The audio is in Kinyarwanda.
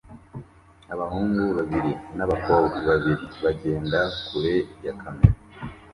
Abahungu babiri n'abakobwa babiri bagenda kure ya kamera